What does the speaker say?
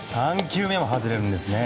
３球目も外れるんですね。